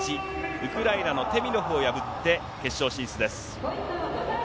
ウクライナのテミロフを破って決勝進出です。